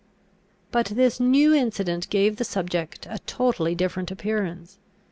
But this new incident gave the subject a totally different appearance.